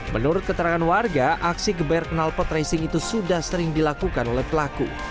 menurut keterangan warga aksi geber kenalpot racing itu sudah sering dilakukan oleh pelaku